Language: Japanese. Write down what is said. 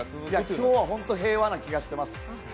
今日は本当に平和な気がしています。